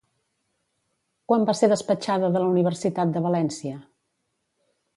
Quan va ser despatxada de la Universitat de València?